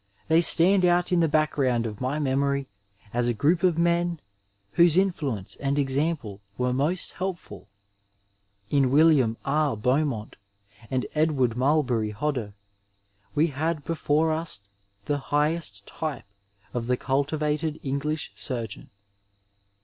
They stand out in the background of my memory as a group of men whose in fluence and example were most helpful. In William R. Beaumont and Edward Mulberry Hodder, we had before lis the highest type of the cultivated English surgeon.